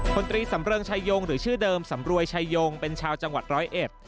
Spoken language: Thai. ตรีสำเริงชายงหรือชื่อเดิมสำรวยชายงเป็นชาวจังหวัดร้อยเอ็ด